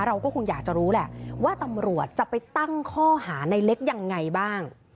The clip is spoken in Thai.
เราก็คงอยากจะรู้แหละว่าตำรวจจะไปตั้งข้อหาในเล็กยังไงบ้าง